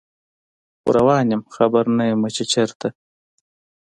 خو روان یم خبر نه یمه چې چیرته